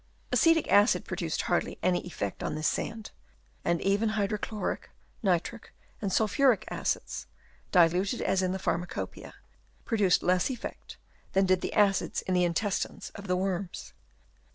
Acetic acid produced hardly any effect on this sand ; and even hydrochloric, nitric and sulphuric acids, diluted as in the Pharmacopoeia, produced less effect than did the acids in the intestines of the worms.